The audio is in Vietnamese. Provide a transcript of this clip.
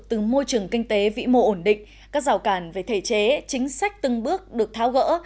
từ môi trường kinh tế vĩ mô ổn định các rào cản về thể chế chính sách từng bước được tháo gỡ